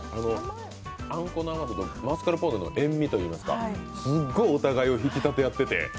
あんこの甘さとマスカルポーネの塩味といいますか、すっごいお互いを引き立て合ってて。